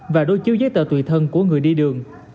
và đối chiếu giấy tờ tùy thân của người đi đường